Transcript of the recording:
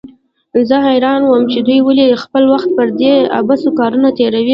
زه حيران وم چې دوى ولې خپل وخت پر دې عبثو کارونو تېروي.